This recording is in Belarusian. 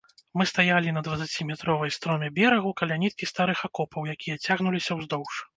Мы стаялі на дваццаціметровай строме берагу, каля ніткі старых акопаў, якія цягнуліся ўздоўж.